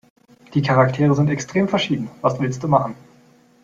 Die Charaktere sind extrem verschieden. Was willste machen?